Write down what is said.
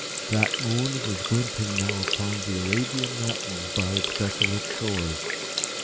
That moon was glinting now upon the Arabian Mountains by its desolate shores.